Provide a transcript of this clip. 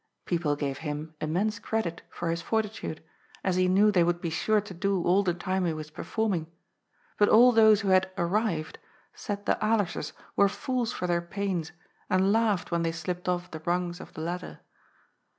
People gave him immense credit for his fortitude, as he knew they would be sure to do all the time he was performing, but all those who had "^ arrived " said the Alerses were fools for their pains and laughed when they slipped off the rungs of the ladder.